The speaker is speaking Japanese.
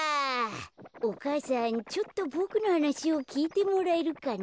お母さんちょっとボクのはなしをきいてもらえるかな。